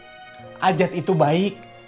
a'ajat itu baik